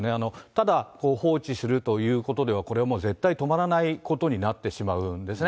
ただ放置するということでは、これはもう絶対止まらないことになってしまうんですね。